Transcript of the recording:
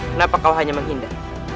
kenapa kau hanya menghindar